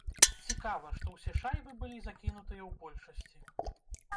Цікава, што ўсе шайбы былі закінутыя ў большасці.